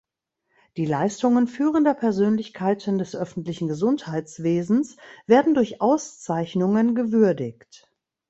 Die Leistungen führender Persönlichkeiten des öffentlichen Gesundheitswesens werden durch Auszeichnungen gewürdigt.